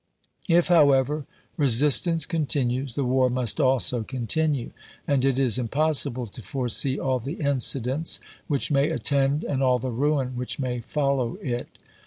If, however, resistance continues, the war must also continue; and it is impos sible to foresee all the incidents which may attend and all the ruin which may follow it.